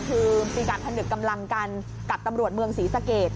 คือมีการผนึกกำลังกันกับตำรวจเมืองศรีสะเกด